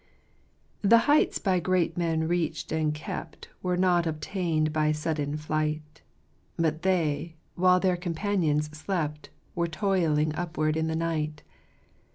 " The heights by great men reached and kept Were not obtained by sudden flight ; But they, while their companions slept, Were toiling upward in the night.